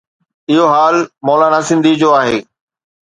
اهو حال مولانا سنڌي جو آهي.